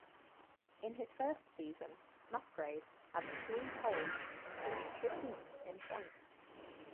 In his first season, Musgrave had three poles, and finished fifteenth in points.